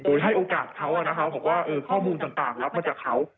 ให้โอกาสเขานะคะบอกว่าข้อมูลต่างรับมาจากเขา